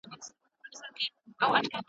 رسول الله هيڅکله ورين تندی نه دی پريښی.